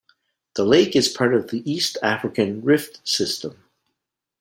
The lake is part of the East African Rift system.